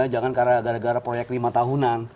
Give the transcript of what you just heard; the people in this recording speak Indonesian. jangan karena gara gara proyek lima tahunan